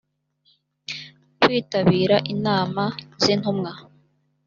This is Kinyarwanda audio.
kwitabira inama z intumwa